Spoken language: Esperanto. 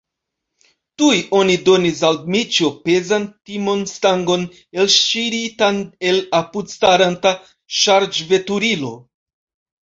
Tuj oni donis al Dmiĉjo pezan timonstangon, elŝiritan el apudstaranta ŝarĝveturilo.